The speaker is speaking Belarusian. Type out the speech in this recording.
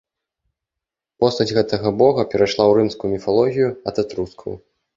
Постаць гэтага бога перайшла ў рымскую міфалогію ад этрускаў.